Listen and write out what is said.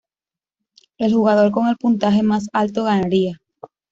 El jugador con el puntaje más alto ganaría.